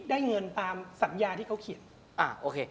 ได้เงินตามสัญญาที่เขาเขียน